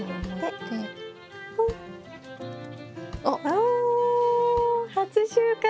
お初収穫。